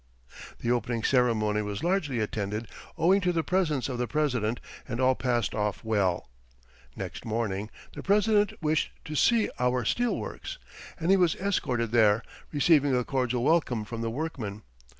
The opening ceremony was largely attended owing to the presence of the President and all passed off well. Next morning the President wished to see our steel works, and he was escorted there, receiving a cordial welcome from the workmen.